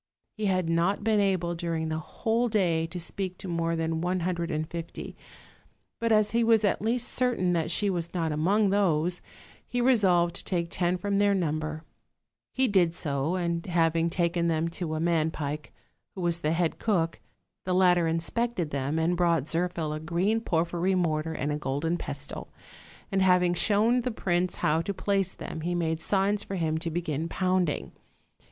He had not been able during the whole day to speak to more than one hundred and fifty; but as he was at least certain that she was not among those, he resolved to take ten from their number: he did so, and having taken them to a man pike, who was the head cook, the latter inspected them, and brought Zirphil a green porphyry mortar and a golden pestle, and, having shown the prince how to place them, made signs for him to begin pounding.